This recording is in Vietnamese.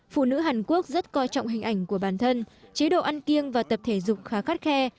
phụ nữ hàn quốc rất coi trọng hình ảnh của bản thân chế độ ăn kiêng và tập thể dục khá khắt khe